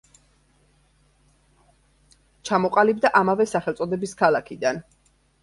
ჩამოყალიბდა ამავე სახელწოდების ქალაქიდან.